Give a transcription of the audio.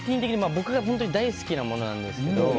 僕が大好きなものなんですけど。